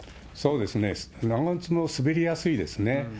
そうですね、長靴も滑りやすいですね。